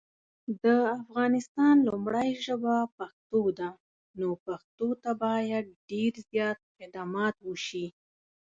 د افغانستان لومړی ژبه پښتو ده نو پښتو ته باید دیر زیات خدمات وشي